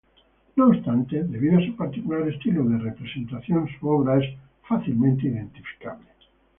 No obstante, debido a su particular estilo de representación, su obra es fácilmente identificable.